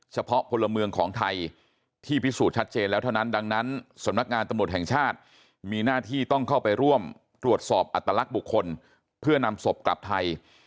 เฉพาะพลเมืองของไทยที่พิสูจน์ชัดเจนแล้วเท่านั้นดังนั้นสำนักงานตำรวจแห่งชาติมีหน้าที่ต้องเข้าไปร่วมตรวจสอบอัตลักษณ์บุคคลเพื่อนำศพกลับไทย